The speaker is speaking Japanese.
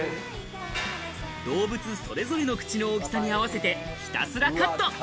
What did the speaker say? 動物それぞれの口の大きさに合わせてひたすらカット。